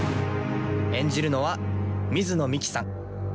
演じるのは水野美紀さん。